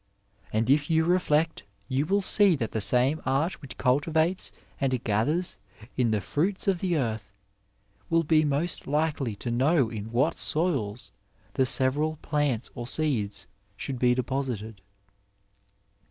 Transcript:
And if you reflect, you will see that the same art which cultiyates and gathers in the fruits of the earth, will be most likely to know in what soils the several plants or seeds should be deposited.